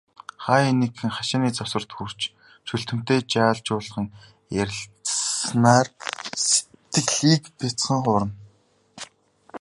Хааяа нэгхэн, хашааны завсарт хүрч, Чүлтэмтэй жаал жуулхан ярилцсанаар сэтгэлийг бяцхан хуурна.